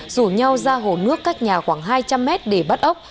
rủ nhau ra hồ nước cách nhà khoảng hai trăm linh mét để bắt ốc